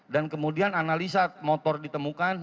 dan kemudian analisa motor ditemukan